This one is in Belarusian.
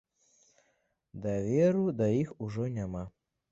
Даверу да іх ужо няма.